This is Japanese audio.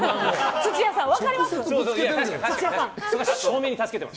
土屋さん、分かります？